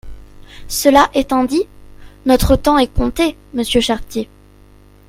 Cela étant dit, notre temps est compté, monsieur Chartier.